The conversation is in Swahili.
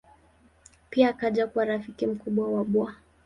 Pia akaja kuwa rafiki mkubwa wa Bw.